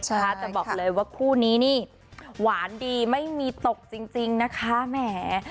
แต่บอกเลยว่าคู่นี้นี่หวานดีไม่มีตกจริงนะคะแหม